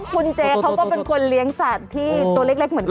คุณเจเขาก็เป็นคนเลี้ยงสัตว์ที่ตัวเล็กเหมือนกัน